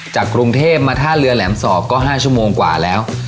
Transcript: กรุงเทพมาท่าเรือแหลมสอบก็๕ชั่วโมงกว่าแล้ว